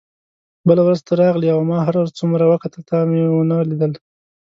بله ورځ ته راغلې او ما هر څومره وکتل تا مې ونه لیدل.